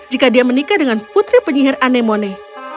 jika dia menikah dengan putri penyihir anemone